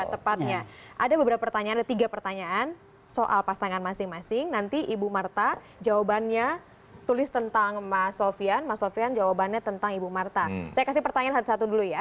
tepatnya ada beberapa pertanyaan ada tiga pertanyaan soal pasangan masing masing nanti ibu marta jawabannya tulis tentang mas sofian mas sofian jawabannya tentang ibu marta saya kasih pertanyaan satu satu dulu ya